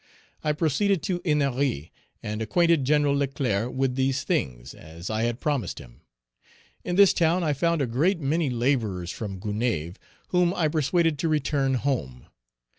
I proceeded to Ennery and acquainted Gen. Leclerc with these things, as I had promised him. In this town I found a great many laborers from Gonaïves, whom I persuaded to return home.